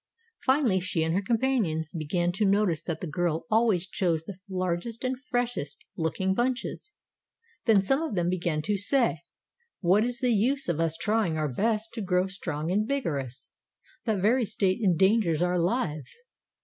Finally she and her companions began to notice that the girl always chose the largest and freshest looking bunches. Then some of them began to say: 'What is the use of us trying our best to grow strong and vigorous? That very state endangers our lives.